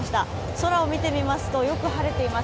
空を見てみますと、よく晴れています。